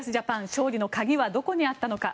勝利の鍵はどこにあったのか。